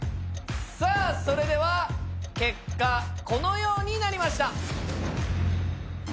さあそれでは結果このようになりました。